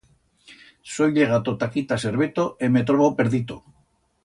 Soi llegato ta aquí ta Serveto e me trobo perdito.